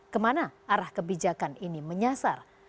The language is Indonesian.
kemana arah kebijakan ini menyasar